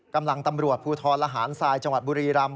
กำลังตำรวจภูทรระหารทรายจังหวัดบุรีรำ